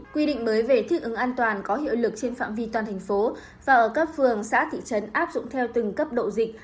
quy định mới về thích ứng an toàn có hiệu lực trên phạm vi toàn thành phố và ở các phường xã thị trấn áp dụng theo từng cấp độ dịch